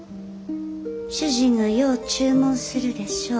主人がよう注文するでしょう。